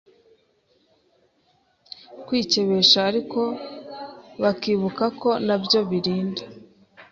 kwikebesha ariko bakibuka ko nabyo birinda